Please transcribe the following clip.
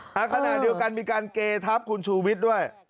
ขณะเดียวกันมีการเกทับคุณชูวิทย์ด้วย